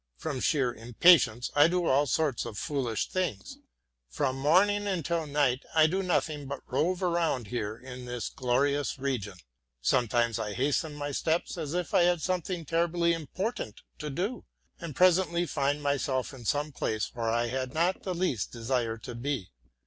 From sheer impatience I do all sorts of foolish things. From morning until night I do nothing but rove around here in this glorious region. Sometimes I hasten my steps, as if I had something terribly important to do, and presently find myself in some place where I had not the least desire to be.